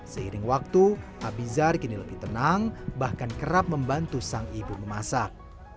seiring waktu abizar kini lebih tenang bahkan kerap membantu sang ibu memasak